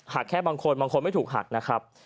แค่บางคนบางคนไม่ถูกหักนะครับ